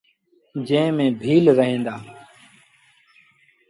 جݩهݩ ميݩ ڀيٚل روهيݩ دآ۔